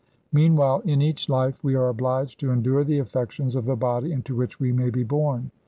Meanwhile, in each life, we are obliged to endure the affections of the body into which we may be born.